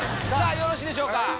よろしいでしょうか？